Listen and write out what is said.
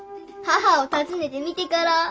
「母をたずねて」見てから。